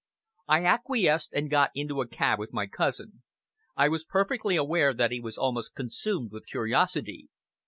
I acquiesced, and got into a cab with my cousin. I was perfectly aware that he was almost consumed with curiosity.